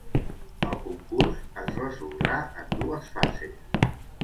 El concurs es resoldrà en dues fases.